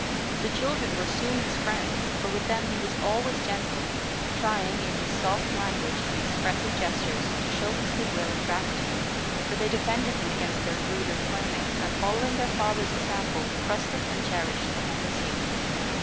The children were soon his friends, for with them he was always gentle, trying in his soft language and expressive gestures to show his good will and gratitude; for they defended him against their ruder playmates, and, following their father's example, trusted and cherished the homeless youth.